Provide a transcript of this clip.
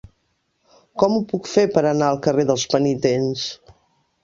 Com ho puc fer per anar al carrer dels Penitents?